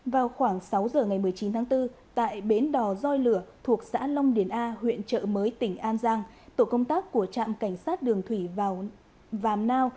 vào khoảng sáu giờ ngày một mươi chín tháng bốn tại bến đò doi lửa thuộc xã long điền a huyện trợ mới tỉnh an giang tổ công tác của trạm cảnh sát đường thủy vào vàm nao